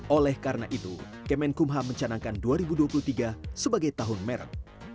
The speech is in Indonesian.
oleh karena itu kemenkumham mencanangkan dua ribu dua puluh tiga sebagai tahun merek